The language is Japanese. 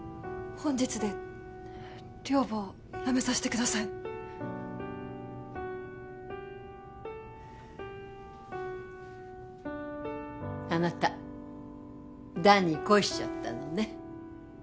本日で寮母を辞めさせてくださいあなた弾に恋しちゃったのね